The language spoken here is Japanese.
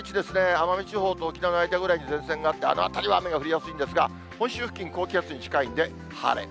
奄美地方と沖縄の間ぐらいに前線があって、あの辺りは雨が降りやすいんですが、本州付近、高気圧に近いんで、晴れ。